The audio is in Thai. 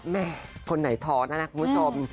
แม่คนไหนท้อนะนะคุณผู้ชม